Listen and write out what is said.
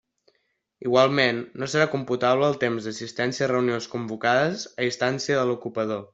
Igualment, no serà computable el temps d'assistència a reunions convocades a instància de l'ocupador.